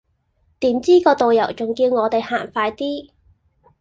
點知個導遊仲叫我哋行快啲